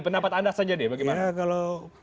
pendapat anda saja deh bagaimana kalau